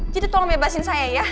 jadi tolong bebasin saya ya